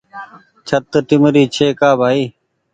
ڇت ٽيمرِي ڇي ڪا بهائي